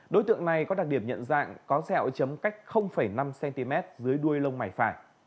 đối tượng này có đặc điểm nhận dạng có sẹo chấm cách năm cm dưới đuôi lông mày phải